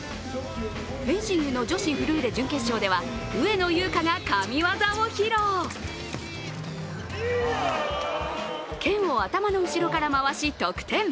フェンシングの女子フルーレ準決勝では上野優佳が神業を披露サーベルを頭の後ろから回し得点。